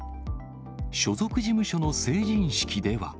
所属事務所の成人式では。